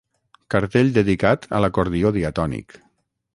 Cartell dedicat a l'acordió diatònic.